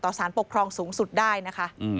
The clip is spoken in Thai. สารปกครองสูงสุดได้นะคะ